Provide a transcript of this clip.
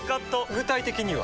具体的には？